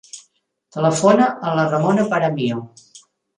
Telefona a la Ramona Paramio.